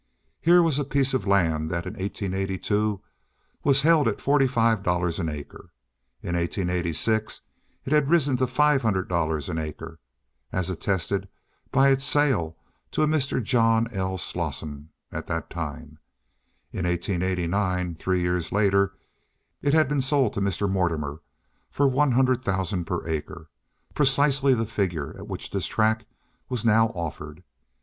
Here was a piece of land that in 1882 was held at forty five dollars an acre. In 1886 it had risen to five hundred dollars an acre, as attested by its sale to a Mr. John L. Slosson at that time. In 1889, three years later, it had been sold to Mr. Mortimer for one thousand per acre, precisely the figure at which this tract was now offered.